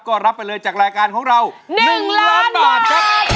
ก็รับไปเลยจากรายการของเรา๑ล้านบาทครับ